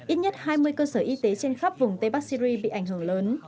ít nhất hai mươi cơ sở y tế trên khắp vùng tây bắc syri bị ảnh hưởng lớn